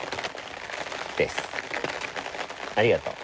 ありがとう。